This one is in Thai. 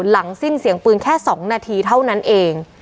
หลังสิ้นเสียงปืนแค่๒นาทีเท่านั้นเอง